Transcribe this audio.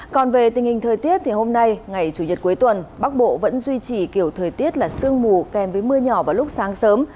còn về tình hình thời tiết thì hôm nay ngày chủ nhật cuối tuần bắc bộ vẫn duy trì kiểu thời tiết là sương mù kèm với mưa nhỏ vào lúc sáng sớm